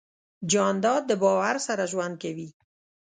جانداد د باور سره ژوند کوي.